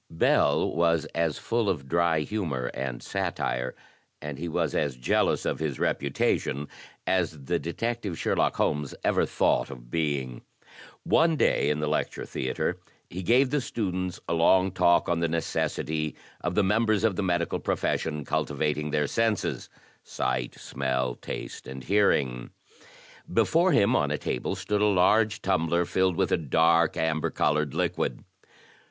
Bell was as full of dry humor and satire, and he was as jealous of his reputation, as the detective Sherlock Holmes ever thought of being. One day, in the lecture theatre, he gave the students a long talk on the necessity for the member? of the medical profes sion cultivating their senses — sight, smell, taste, and hearing. no THE TECHNIQUE OF THE MYSTERY STORY Before him on a table stood a large tumbler filled with a dark, amber colored liquid.